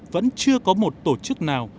vẫn chưa có một tổ chức nào